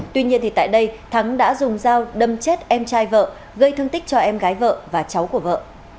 tuy nhiên tại đây thắng đã dùng dao đâm chết em trai vợ gây thương tích cho em gái vợ và cháu của vợ